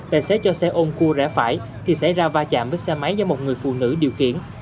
tài xế cho xe ôn cua rẽ phải thì xảy ra va chạm với xe máy do một người phụ nữ điều khiển